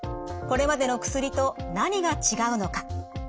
これまでの薬と何が違うのか。